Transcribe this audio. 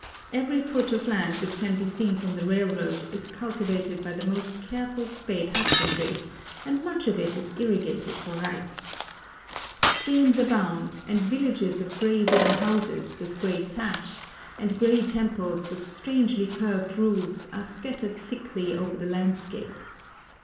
Every foot of land which can be seen from the railroad is cultivated by the most careful spade husbandry, and much of it is irrigated for rice. Streams abound, and villages of grey wooden houses with grey thatch, and grey temples with strangely curved roofs, are scattered thickly over the landscape.